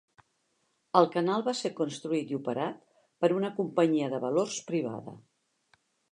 El canal va ser construït i operat per una companyia de valors privada.